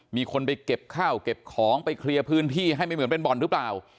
มีคนไปเก็บข้าวเก็บของไปเคลียร์พื้นที่ให้ไม่เหมือนเป็นบ่อนหรือเปล่า